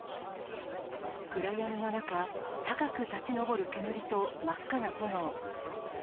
暗闇の中、高く立ち上る煙と、真っ赤な炎。